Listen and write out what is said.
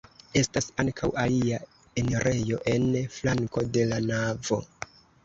Estas ankaŭ alia enirejo en flanko de la navo.